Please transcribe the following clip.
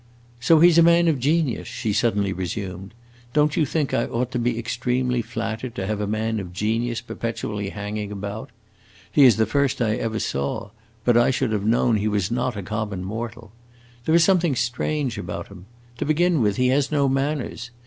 "So he 's a man of genius," she suddenly resumed. "Don't you think I ought to be extremely flattered to have a man of genius perpetually hanging about? He is the first I ever saw, but I should have known he was not a common mortal. There is something strange about him. To begin with, he has no manners.